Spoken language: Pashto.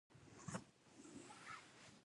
هغې په ټوکو وویل: ستاسې واده به هیڅکله ونه شي.